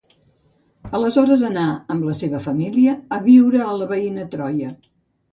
Aleshores anà, amb la seva família, a viure a la veïna Troia.